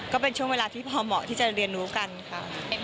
ก็เป็นช่วงเวลาที่พอเหมาะที่จะเรียนรู้กันค่ะ